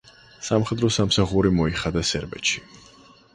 სამხედრო სამსახური მოიხადა სერბეთში.